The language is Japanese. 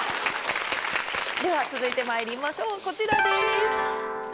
では続いてまいりましょうこちらです。